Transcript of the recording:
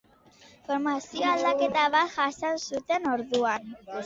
Formazio aldaketa bat jasan zuten orduan.